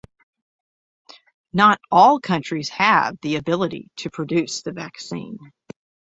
Not all countries have the ability to produce the vaccine.